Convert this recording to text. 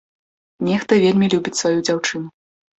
Нехта вельмі любіць сваю дзяўчыну.